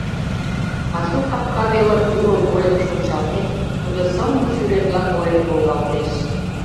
Пасу капка велым Ӱлыл уремыш ончалмек, тудо сылне сӱретла койын волгалтеш.